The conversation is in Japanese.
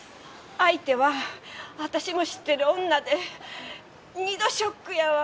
相手は私も知ってる女で２度ショックやわ。